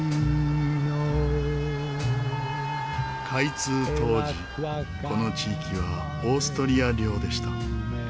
開通当時この地域はオーストリア領でした。